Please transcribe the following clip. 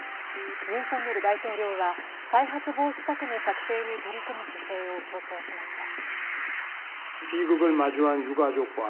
ユン・ソンニョル大統領は再発防止策の策定に取り組む姿勢を強調しました。